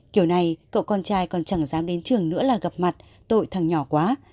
kiểu này cậu con trai còn chẳng dám đến trường nữa là gặp mặt tội thằng nhỏ quá